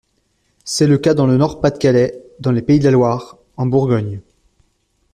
C’est le cas dans le Nord-Pas-de-Calais, dans les Pays de la Loire, en Bourgogne.